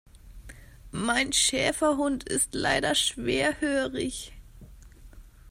Mein Schäferhund ist leider schwerhörig.